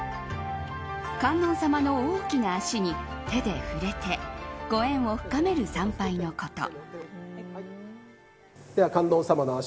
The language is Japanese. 観音様の大きな足に手で触れてご縁を深める参拝のこと。